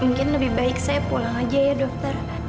mungkin lebih baik saya pulang aja ya dokter